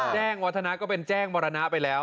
แจ้งวัฒนะก็เป็นแจ้งมรณะไปแล้ว